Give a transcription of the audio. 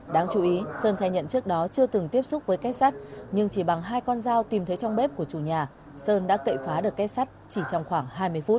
đáng chú ý sơn khai nhận trước đó chưa từng tiếp xúc với kết sắt nhưng chỉ bằng hai con dao tìm thấy trong bếp của chủ nhà sơn đã cậy phá được kết sắt chỉ trong khoảng hai mươi phút